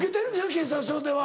警察署では。